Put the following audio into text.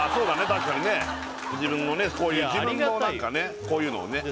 確かにね自分のねこういう自分のなんかねこういうのをねへえ！